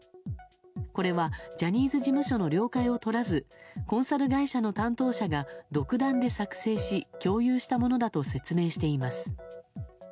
これはジャニーズ事務所の了解をとらずコンサル会社の担当者が独断で作成し共有したものだと説明しています。